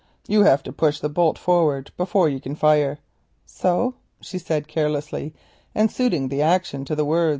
You have to push the bolt forward before you can fire." "So?" she said carelessly, and suiting the action to the word.